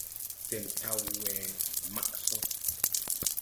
Sɛn taw we maʼ sɔ.